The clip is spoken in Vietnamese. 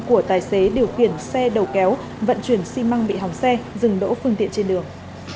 của tài xế điều khiển xe đầu kéo vận chuyển xi măng bị hỏng xe dừng đỗ phương tiện trên đường